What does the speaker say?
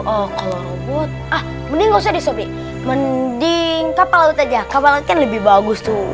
oh kalau robot ah mending nggak usah di sopi mending kapal laut aja kapal laut kan lebih bagus tuh